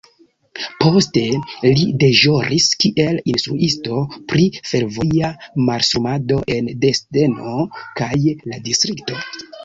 Poste li deĵoris kiel instruisto pri fervoja mastrumado en Dresdeno kaj la distrikto.